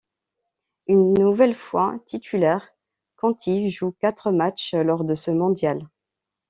Une nouvelle fois titulaire, Conti joue quatre matchs lors de ce mondial.